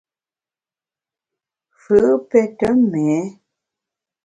Fù’ pète méé.